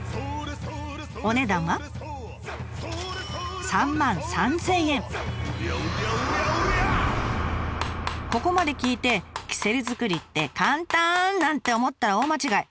お値段はここまで聞いてキセル作りって簡単！なんて思ったら大間違い。